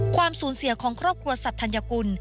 ความสูญเสียของครอบครัวสัตวธัญกุล